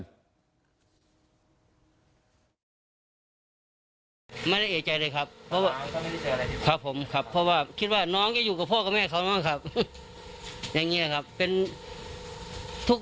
คุณไม่ใจเลยครับครับผมครับว่าอยู่กับพ่อกับแม่เขาน้องครับทุก